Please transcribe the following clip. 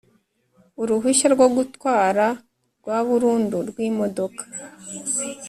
Uruhushya rwo gutwara rwa burundu rwimodoka